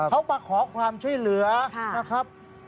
เขามาขอความช่วยเหลือนะครับ